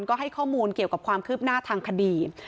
ก็ให้ข้อมูลเกี่ยวกับความคืบหน้าทางคดี